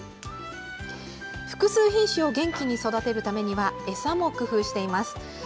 複数品種を元気に育てるためには餌も工夫しています。